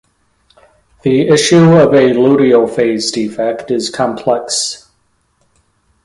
The issue of a luteal phase defect is complex.